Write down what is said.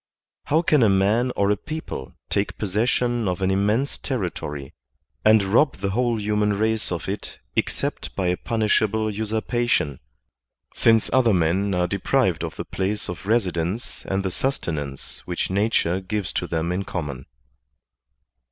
How can a man or a people take possession of an immense territory and rob the whole human race of it except by a punishable usurpation, since other men are deprived of the place of residence and the sustenance which nature gives to them in common.